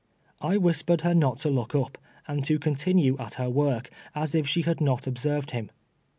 I whispered her not to look up, and to continue at her work, as if she had not ob served him.